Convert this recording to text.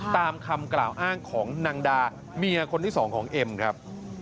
ตามคำกล่าวอ้างของนางดาเมียคนที่สองของเอ็มครับ